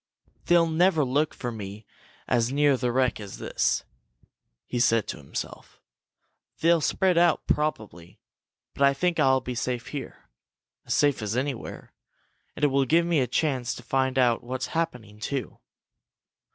"They'll never look for me as near the wreck as this," he said to himself. "They'll spread out probably, but I think I'll be safe here. As safe as anywhere, and it will give me a chance to find out what's happening, too."